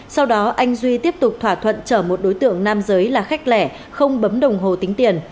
sau đó anh duy tiếp tục thỏa thuận chở một đối tượng nam giới là khách lẻ không bấm đồng hồ tính tiền